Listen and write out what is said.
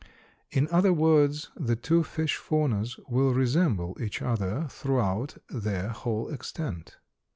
In other words, the two fish faunas will resemble each other throughout their whole extent.